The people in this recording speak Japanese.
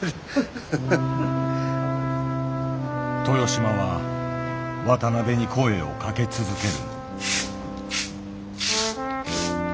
豊島は渡辺に声をかけ続ける。